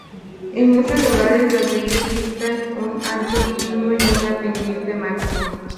En muchos lugares, las leyes dictan un ancho mínimo y una pendiente máxima.